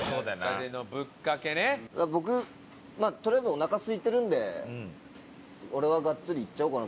僕とりあえずお腹すいてるんで俺はがっつりいっちゃおうかな。